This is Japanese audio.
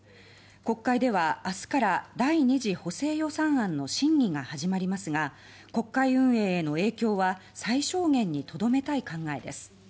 国会では明日から第二次補正予算案の審議が始まりますが国会運営への影響は最小限にとどめたい考えです。